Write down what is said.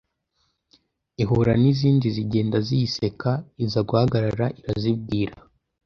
Ihura n'izindi zigenda ziyiseka Iza guhagarara irazibwira